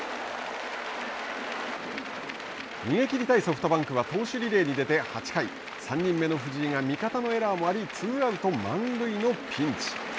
逃げきりたいソフトバンクは投手リレーに出て８回３人目の藤井が味方のエラーもありツーアウト、満塁のピンチ。